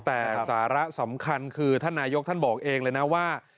แต่สาระสำคัญคือท่านนายกท่านบอกเองเลยนะว่า